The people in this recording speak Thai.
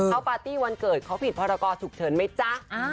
เขาปาร์ตี้วันเกิดเขาผิดพรกรฉุกเฉินไหมจ๊ะ